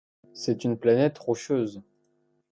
C’est une planète rocheuse.